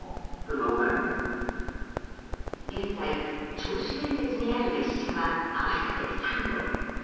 現在、銚子電鉄にある列車は合わせて３本。